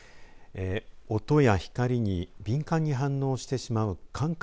音や光に敏感に反応してしまう感覚